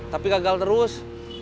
tapi gagal terus